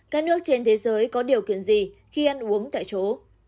các nước trên thế giới có điều kiện gì khi ăn uống tại chỗ